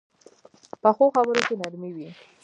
پخو خبرو کې نرمي وي